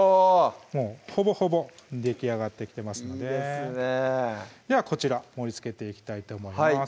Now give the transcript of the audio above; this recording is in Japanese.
もうほぼほぼできあがってきてますのでいいですねではこちら盛りつけていきたいと思います